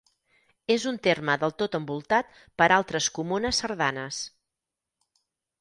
És un terme del tot envoltat per altres comunes cerdanes.